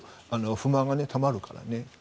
不満がたまるからね。